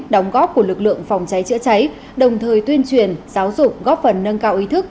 đóng góp của lực lượng phòng cháy chữa cháy đồng thời tuyên truyền giáo dục góp phần nâng cao ý thức